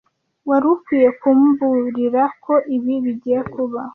Wari ukwiye kumburira ko ibi bigiye kuba.